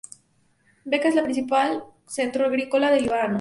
Beca es el principal centro agrícola de Líbano.